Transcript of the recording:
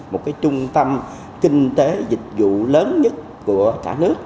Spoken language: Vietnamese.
một cái trung tâm kinh tế dịch vụ lớn nhất của cả nước